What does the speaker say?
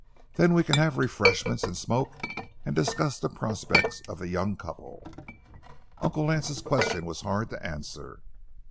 Then we can have refreshments, and smoke, and discuss the prospects of the young couple." Uncle Lance's question was hard to answer.